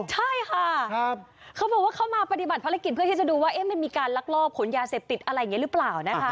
ใช่ค่ะเขาบอกว่าเขามาปฏิบัติภารกิจเพื่อที่จะดูว่ามันมีการลักลอบขนยาเสพติดอะไรอย่างนี้หรือเปล่านะคะ